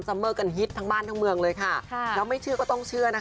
เธอจะจงไม่เชื่อหรือก็ต้องเชื่อ